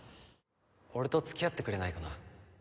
俺と付き合ってくれないかな？